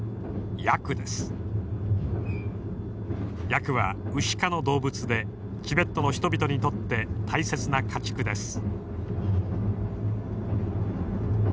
ヤクはウシ科の動物でチベットの人々にとって大切な家畜です。